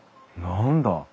何だ？